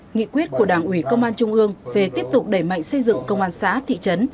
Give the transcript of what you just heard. nghị quyết của đảng ủy công an trung ương về tiếp tục đẩy mạnh xây dựng công an xã thị trấn